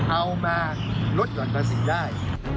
เอามาลดก่อนประสิทธิ์ได้